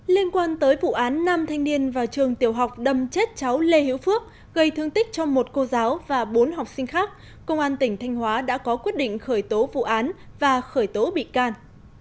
liên quan tới vụ án năm thanh niên vào trường tiểu học đâm chết cháu lê hiếu phước gây thương tích cho một cô giáo và bốn học sinh khác công an tỉnh thanh hóa đã có quyết định khởi tố vụ án và khởi tố bị can